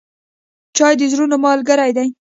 چای د زړونو ملګری دی.